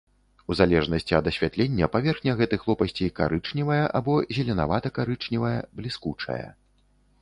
У залежнасці ад асвятлення паверхня гэтых лопасцей карычневая або зеленавата-карычневая, бліскучая.